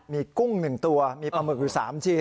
มีกุ้ง๑ตัวมีปลาหมึกอยู่๓ชิ้น